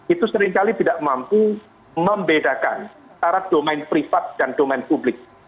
itu seringkali tidak mampu membedakan antara domain privat dan domain publik